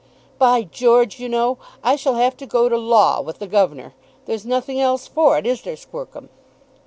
"By George, you know, I shall have to go to law with the governor. There's nothing else for it; is there, Squercum?"